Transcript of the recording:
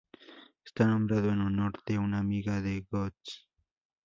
Está nombrado en honor de una amiga de Götz.